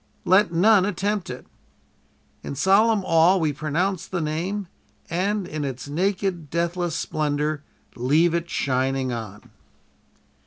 Let none attempt it. In solemn awe we pronounce the name and, in its naked, deathless splendor, leave it shining on."